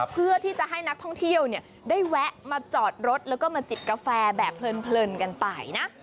เพื่อที่จะให้นักท่องเที่ยวได้แวะมาจอดรถแล้วก็มาจิบกาแฟแบบเพลินกันไปนะ